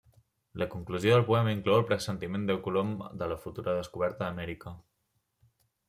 La conclusió del poema inclou el pressentiment de Colom de la futura descoberta d'Amèrica.